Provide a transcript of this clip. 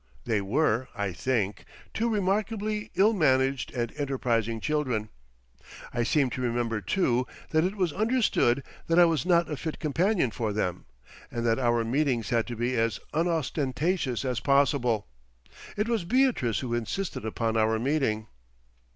They were, I think, two remarkably illmanaged and enterprising children. I seem to remember too, that it was understood that I was not a fit companion for them, and that our meetings had to be as unostentatious as possible. It was Beatrice who insisted upon our meeting.